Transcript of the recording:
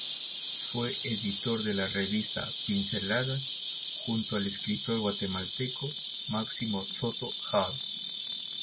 Fue editor de la revista "Pinceladas" junto al escritor guatemalteco Máximo Soto Hall.